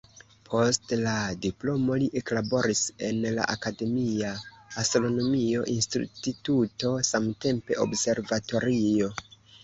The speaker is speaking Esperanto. Post la diplomo li eklaboris en la akademia astronomio instituto, samtempe observatorio.